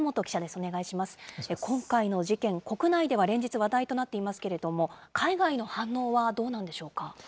そして今回の事件、国内では連日話題となっていますけれども、海外の反応はどうなんでしょうか。